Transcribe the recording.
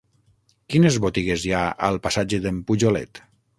Quines botigues hi ha al passatge d'en Pujolet?